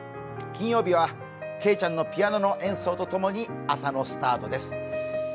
金曜日はけいちゃんのピアノの演奏とともに朝のスタートです。